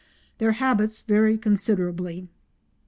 Their habits vary considerably.